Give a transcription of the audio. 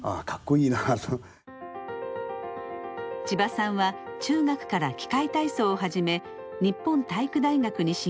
千葉さんは中学から器械体操を始め日本体育大学に進学。